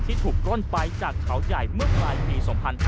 ที่ถูกปล้นไปจากเขาใหญ่เมื่อปลายปี๒๕๕๙